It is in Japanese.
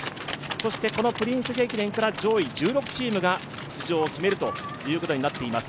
そしてこのプリンセス駅伝から上位１６チームが出場を決めるということになっています。